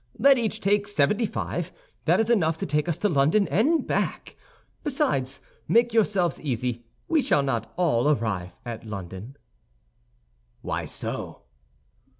Let each take seventy five; that is enough to take us to London and back. Besides, make yourselves easy; we shall not all arrive at London." "Why so?"